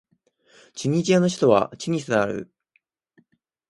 チュニジアの首都はチュニスである